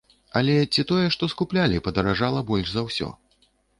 Але ці тое, што скуплялі, падаражала больш за ўсё?